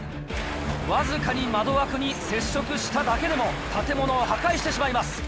わずかに窓枠に接触しただけでも建物を破壊してしまいます。